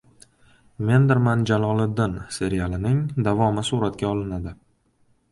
«Mendirman Jaloliddin» serialining davomi suratga olinadi